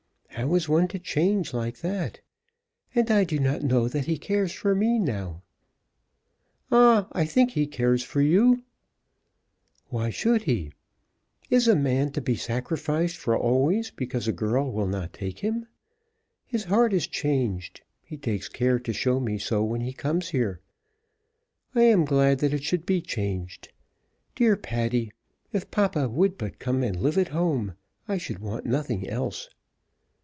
"How is one to change like that? And I do not know that he cares for me now." "Ah; I think he cares for you." "Why should he? Is a man to be sacrificed for always because a girl will not take him? His heart is changed. He takes care to show me so when he comes here. I am glad that it should be changed. Dear Patty, if papa would but come and live at home, I should want nothing else."